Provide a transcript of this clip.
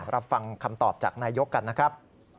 รับฟังคำตอบจากนายกรับ